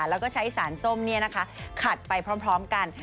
แล้วก็ใช้สารส้มเนี่ยนะคะขัดไปพร้อมกัน